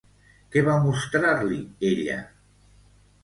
Què va mostrar-li, ella?